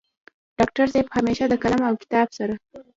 ډاکټر صيب همېشه د قلم او کتاب سره